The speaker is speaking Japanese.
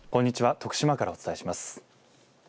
徳島からお伝えします。